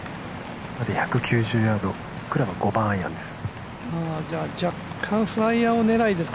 １９０ヤード、クラブ５番アイアンです。